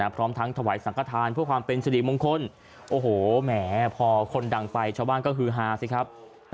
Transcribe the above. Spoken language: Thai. พร้อมทั้งถวายสังกฐานเพื่อความเป็นสิริมงคลโอ้โหแหมพอคนดังไปชาวบ้านก็คือฮาสิครับ